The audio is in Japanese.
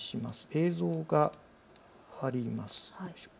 映像があります。